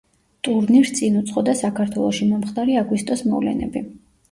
ტურნირს წინ უძღოდა საქართველოში მომხდარი აგვისტოს მოვლენები.